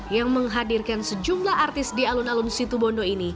yang menghadirkan sejumlah artis di alun alun situbondo ini